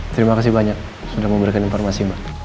terima kasih banyak sudah memberikan informasi mbak